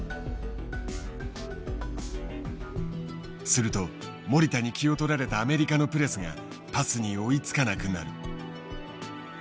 すると守田に気を取られたアメリカのプレスがパスに追いつかなくなる。